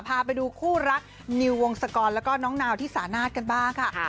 พาไปดูคู่รักนิววงศกรแล้วก็น้องนาวที่สานาทกันบ้างค่ะ